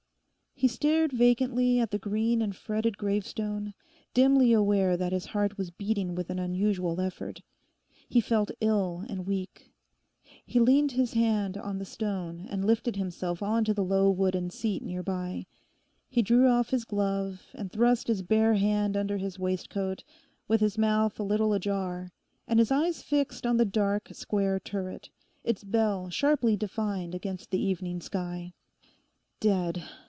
He stared vacantly at the green and fretted gravestone, dimly aware that his heart was beating with an unusual effort. He felt ill and weak. He leant his hand on the stone and lifted himself on to the low wooden seat nearby. He drew off his glove and thrust his bare hand under his waistcoat, with his mouth a little ajar, and his eyes fixed on the dark square turret, its bell sharply defined against the evening sky. 'Dead!